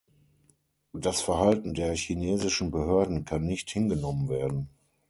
Das Verhalten der chinesischen Behörden kann nicht hingenommen werden.